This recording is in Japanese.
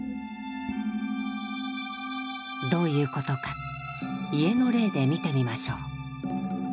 どういうことか家の例で見てみましょう。